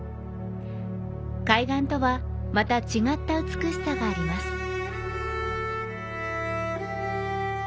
海岸とはまた違った美しさがあります。